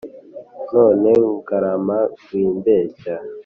None Ngarama wimbeshya